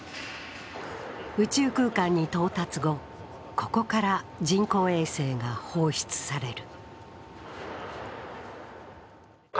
宇宙空間に到達後、ここから人工衛星が放出される。